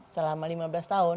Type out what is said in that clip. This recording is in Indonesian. selama lima belas tahun